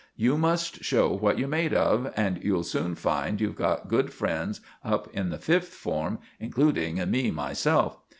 You just show what you're made of, and you'll soon find you've got good friends up in the fifth form, including me myself.